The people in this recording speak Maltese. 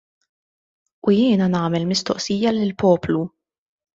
U jiena nagħmel mistoqsija lill-poplu.